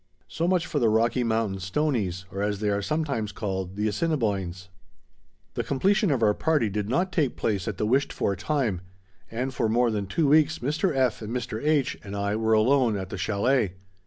So much for the Rocky Mountain Stoneys, or as they are sometimes called, the Assiniboines. The completion of our party did not take place at the wished for time, and for more than two weeks Mr. F. and Mr. H., and I were alone at the chalet.